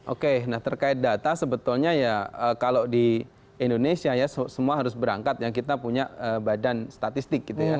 oke nah terkait data sebetulnya ya kalau di indonesia ya semua harus berangkat yang kita punya badan statistik gitu ya